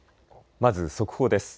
まず速報です。